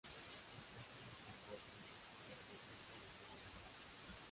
Y pasan de ser cuatro grupos a tres grupos en la primera fase.